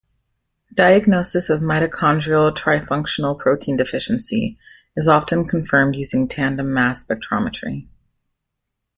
Diagnosis of mitochondrial trifunctional protein deficiency is often confirmed using tandem mass spectrometry.